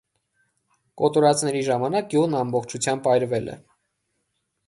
Կոտորածների ժամանակ գյուղն ամբողջությամբ այրվել է։